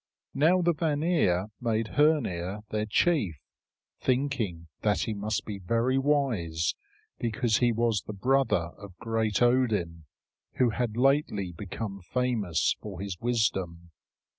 Now the Vanir made Hœnir their chief, thinking that he must be very wise because he was the brother of great Odin, who had lately become famous for his wisdom.